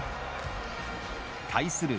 対する